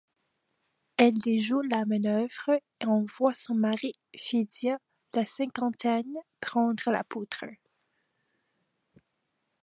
Elle déjoue la manœuvre et envoie son mari, Fédia, la cinquantaine, prendre la poudre.